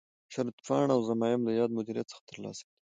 شرطپاڼه او ضمایم له یاد مدیریت څخه ترلاسه کړي.